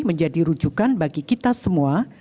menjadi rujukan bagi kita semua